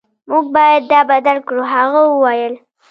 موږ باید دا بدل کړو هغه وویل